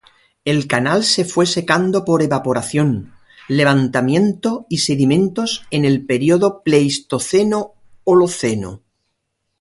El canal se fue secando por evaporación, levantamiento y sedimentos en el período Pleistoceno-Holoceno.